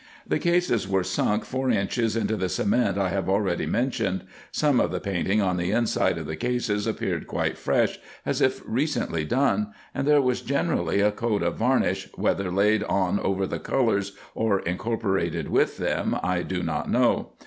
The cases were sunk four inches into the cement I have already mentioned. Some of the painting on the inside of the cases appeared quite fresh, as if recently done ; and there was generally a coat of varnish, whether laid on over the colours, or incorporated with them, I do not know.